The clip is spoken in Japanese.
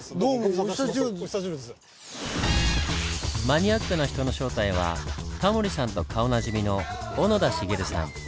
マニアックな人の正体はタモリさんと顔なじみの小野田滋さん。